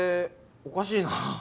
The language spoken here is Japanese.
おかしいな。